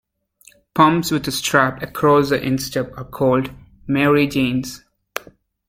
Pumps with a strap across the instep are called Mary Janes.